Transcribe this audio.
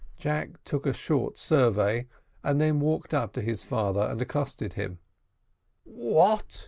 Jack took a short survey, and then walked up to his father and accosted him. "What!"